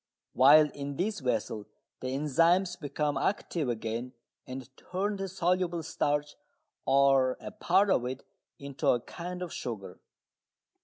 While in this vessel the enzymes become active again and turn the soluble starch, or a part of it, into a kind of sugar.